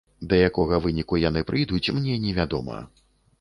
Да якога выніку яны прыйдуць, мне не вядома.